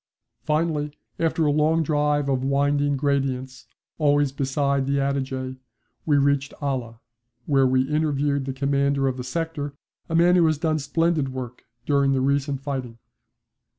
Finally, after a long drive of winding gradients, always beside the Adige, we reached Ala, where we interviewed the Commander of the Sector, a man who has done splendid work during the recent fighting.